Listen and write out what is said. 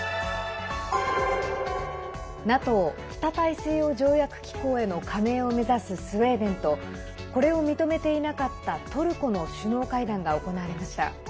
ＮＡＴＯ＝北大西洋条約機構への加盟を目指すスウェーデンとこれを認めていなかったトルコの首脳会談が行われました。